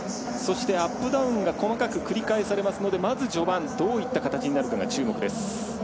アップダウンが細かく繰り返されますのでまず序盤どういう形になるかが注目です。